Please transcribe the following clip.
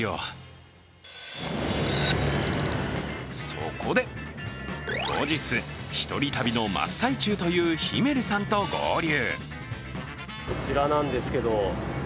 そこで後日、１人旅の真っ最中というヒメルさんと合流。